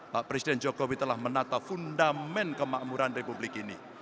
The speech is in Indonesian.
pak presiden jokowi telah menata fundament kemakmuran republik ini